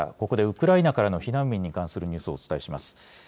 ここでウクライナからの避難民に関するニュースをお伝えします。